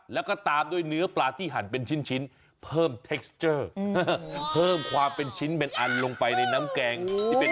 และก็ตามด่วยเนื้อปลาที่หั่นเป็นชิ้นเพิ่มการความเป็นชิ้นลงไปในน้ำแกง